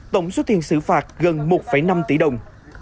tổng số tiền xử phạt gần một năm tỷ đồng